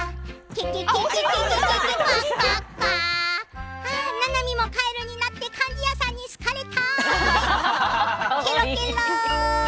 「ケケケケケケケケクワクワクワ」ななみもカエルになって貫地谷さんに好かれたいケロケロ。